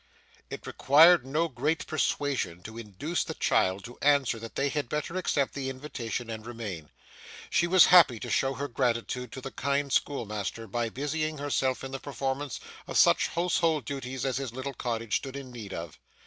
It required no great persuasion to induce the child to answer that they had better accept the invitation and remain. She was happy to show her gratitude to the kind schoolmaster by busying herself in the performance of such household duties as his little cottage stood in need of.